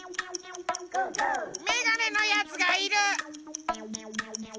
メガネのやつがいる。